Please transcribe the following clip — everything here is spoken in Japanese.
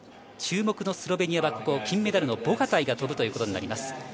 注目のスロベニアは金メダルのボガタイが飛ぶということになります。